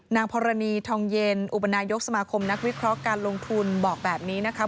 พรณีทองเย็นอุปนายกสมาคมนักวิเคราะห์การลงทุนบอกแบบนี้นะคะ